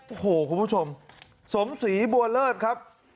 โอ้โหคุณผู้ชมสมศรีบัวเลิศครับ